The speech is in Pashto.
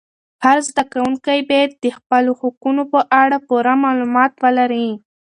هر زده کوونکی باید د خپلو حقوقو په اړه پوره معلومات ولري.